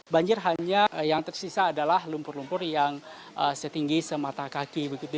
banjir hanya yang tersisa adalah lumpur lumpur yang setinggi semata kaki